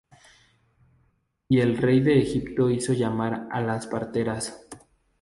Y el rey de Egipto hizo llamar á las parteras.